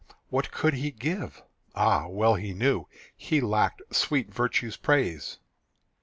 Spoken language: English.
What could he give? Ah, well he knew He lacked sweet virtue's praise.